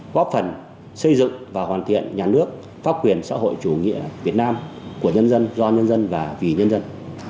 góp phần xây dựng và hoàn thiện nhà nước pháp quyền xã hội chủ nghĩa việt nam của nhân dân do nhân dân và vì nhân dân